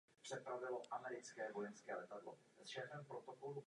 Stal se průkopníkem zpravodajských fotografů.